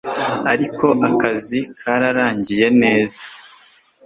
Ako kazi kararangiye neza